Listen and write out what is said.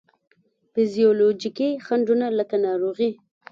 فزیولوجیکي خنډو نه لکه ناروغي،